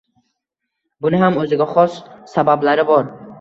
Buni ham o‘ziga xos sabablari bor.